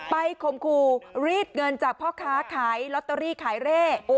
คมคู่รีดเงินจากพ่อค้าขายลอตเตอรี่ขายเร่